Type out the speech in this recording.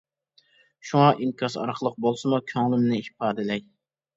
شۇڭا ئىنكاس ئارقىلىق بولسىمۇ كۆڭلۈمنى ئىپادىلەي.